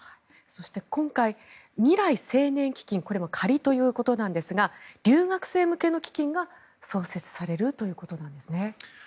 そして、今回未来青年基金これは仮ということなんですが留学生向けの基金が創設されるということなんですね。